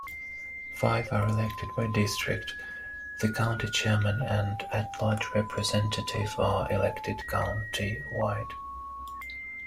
Five are elected by district, the county chairman and at-large representative are elected county-wide.